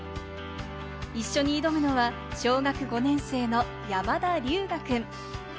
一緒に挑むのは小学５年生の山田龍芽くん。